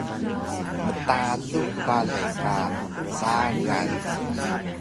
mtalux balay ka rbagan